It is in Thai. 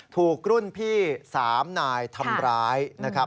ถูกรุ่นพี่๓นายทำร้ายนะครับ